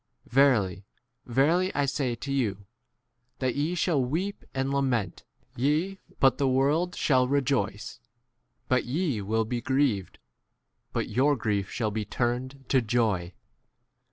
Verily, verily, I say to you, that ye snail weep and lament, ye, but the world shall rejoice; but ye n will be grieved, but your grief shall be turned to 21 joy.